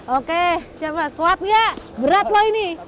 oke siap mas kuat gak berat loh ini